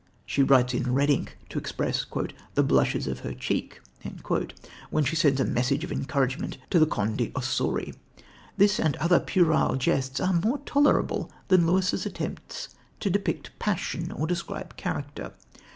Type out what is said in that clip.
She writes in red ink to express "the blushes of her cheek," when she sends a message of encouragement to the Conde d'Ossori. This and other puerile jests are more tolerable than Lewis's attempts to depict passion or describe character.